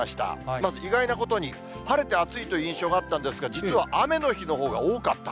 まず意外なことに、晴れて暑いという印象があったんですけれど、実は雨の日のほうが多かった。